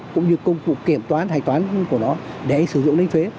cũng như công cụ kiểm toán hành toán của nó để anh sử dụng linh phế